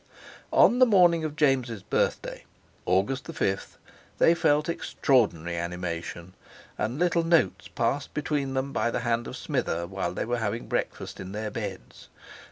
On the morning of James' birthday, August the 5th, they felt extraordinary animation, and little notes passed between them by the hand of Smither while they were having breakfast in their beds.